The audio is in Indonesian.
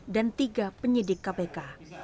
dan tiga penyidik kpk